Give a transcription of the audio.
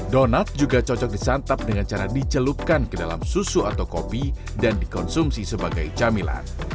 donat juga cocok disantap dengan cara dicelupkan ke dalam susu atau kopi dan dikonsumsi sebagai camilan